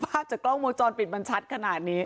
จากกล้องวงจรปิดมันชัดขนาดนี้